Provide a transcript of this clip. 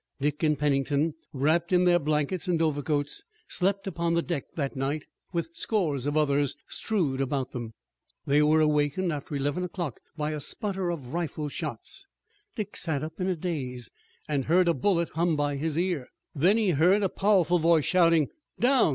Dick and Pennington, wrapped in their blankets and overcoats, slept upon the deck that night, with scores of others strewed about them. They were awakened after eleven o'clock by a sputter of rifle shots. Dick sat up in a daze and heard a bullet hum by his ear. Then he heard a powerful voice shouting: "Down!